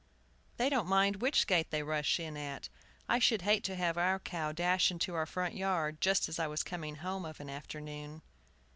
They don't mind which gate they rush in at. I should hate to have our cow dash into our front yard just as I was coming home of an afternoon."